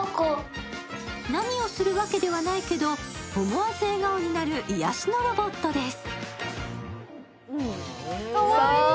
何をするわけではないけど、思わず笑顔になる癒やしのロボットです。